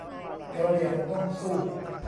กะเหรี่ยงต้องสู้